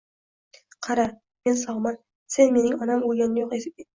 Qara, men sog'man. Sen mening onam o'lgani yo'q, demadingmi?